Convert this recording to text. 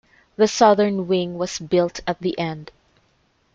The southern wing was built at the end.